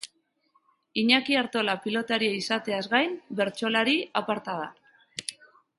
Iñaki Artola pilotaria izateaz gain, bertsolari aparta da.